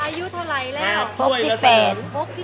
หาบถ้วยเหลือสี่แปด